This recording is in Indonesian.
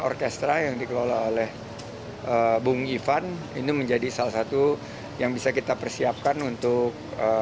orkestra yang dikelola oleh bung ivan ini menjadi salah satu yang bisa kita persiapkan untuk